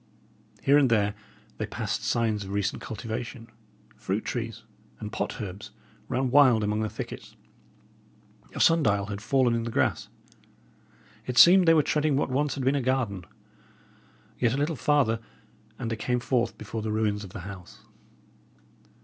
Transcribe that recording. Here and there, they passed signs of recent cultivation; fruit trees and pot herbs ran wild among the thicket; a sun dial had fallen in the grass; it seemed they were treading what once had been a garden. Yet a little farther and they came forth before the ruins of the house.